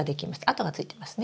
跡がついてますね。